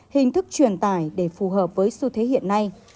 hình thức truyền tải để phù hợp với xu thế hiện nay